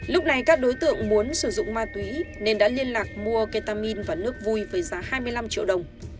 lúc này các đối tượng muốn sử dụng ma túy nên đã liên lạc mua ketamin và nước vui với giá hai mươi năm triệu đồng